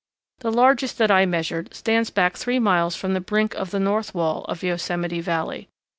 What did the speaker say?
The largest that I measured stands back three miles from the brink of the north wall of Yosemite Valley.